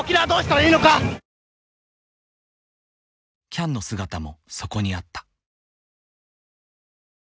喜屋武の姿もそこにあった。